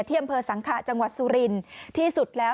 อำเภอสังขะจังหวัดสุรินทร์ที่สุดแล้ว